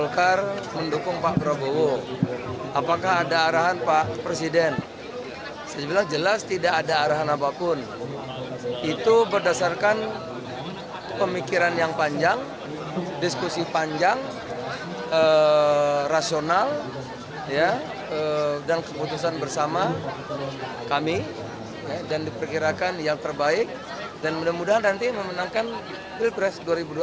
kami dan diperkirakan yang terbaik dan mudah mudahan nanti memenangkan pilpres dua ribu dua puluh empat